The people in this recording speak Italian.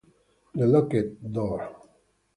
The Locked Door